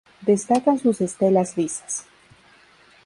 Destacan sus estelas lisas.